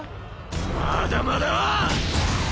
まだまだ！